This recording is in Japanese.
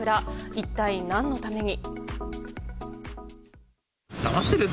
一体、何のために？